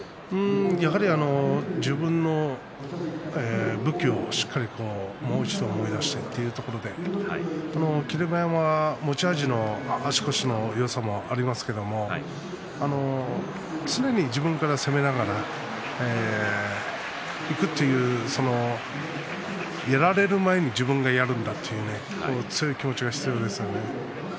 やはり自分の武器をしっかりもう一度思い出してっていうところで持ち味の足腰のよさもありますけれども常に自分から攻めながらいくというやられる前に自分がやるんだという強い気持ちが必要ですから。